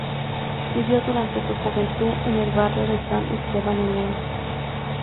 Vivió durante su juventud en el barrio de San Esteban en León.